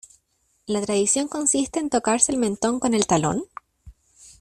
¿La tradición consiste en tocarse el mentón con el talón?